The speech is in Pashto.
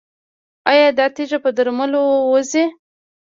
ایا دا تیږه په درملو وځي؟